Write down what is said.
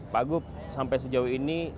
pak gup sampai sejauh ini